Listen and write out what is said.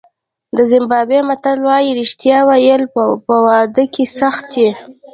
د زیمبابوې متل وایي رښتیا ویل په واده کې سخت دي.